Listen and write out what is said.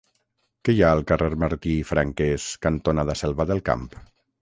Què hi ha al carrer Martí i Franquès cantonada Selva del Camp?